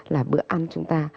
là bữa ăn chúng ta